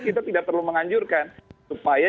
kita tidak perlu menganjurkan supaya